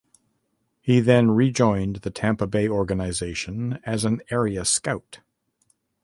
He then rejoined the Tampa Bay organization as an area scout.